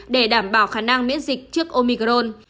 để đảm bảo khả năng miễn dịch trước omicron